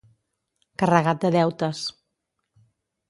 Carregat de deutes.